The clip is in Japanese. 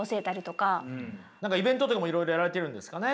何かイベントとかもいろいろやられてるんですかね。